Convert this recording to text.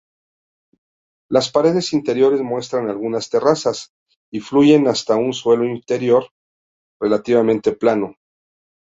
Las paredes interiores muestran algunas terrazas, y fluyen hasta un suelo interior relativamente plano.